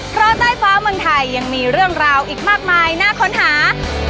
เพราะใต้ฟ้าเมืองไทยยังมีเรื่องราวอีกมากมายน่าค้นหา